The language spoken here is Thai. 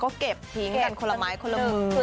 ก็เก็บทิ้งกันคนละไม้คนละมือ